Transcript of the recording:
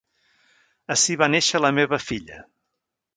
Ací va néixer la meva filla.